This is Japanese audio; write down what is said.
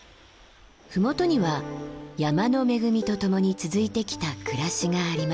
麓には山の恵みとともに続いてきた暮らしがあります。